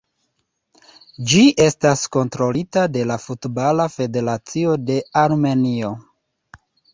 Ĝi estas kontrolita de la Futbala Federacio de Armenio.